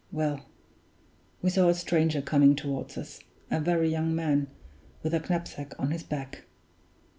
Well; we saw a stranger coming toward us; a very young man, with a knapsack on his back.